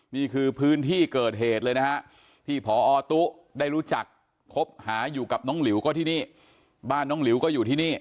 นี่คือพื้นที่เกิดเหตุเลยนะฮะที่พอตุ๊ได้รู้จักคบหาอยู่กับน้องหลิวก็ที่นี่บ้านน้องหลิวก็อยู่ที่นี่